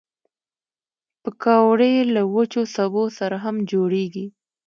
پکورې له وچو سبو سره هم جوړېږي